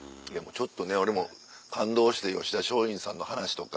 ちょっとね俺も感動して吉田松陰さんの話とか。